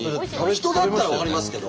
人だったら分かりますけど。